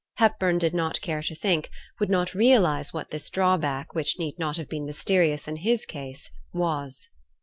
Hepburn did not care to think would not realize what this drawback, which need not have been mysterious in his case, was.